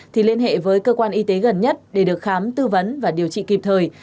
thì liên hệ với cơ quan y tế gần nhất để được khám tư vấn và điều trị kịp thời